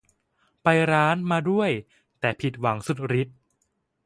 ไปร้าน มาด้วย แต่ผิดหวังสุดฤทธิ์